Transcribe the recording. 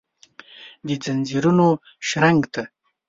دځنځیرونو شرنګ ته ،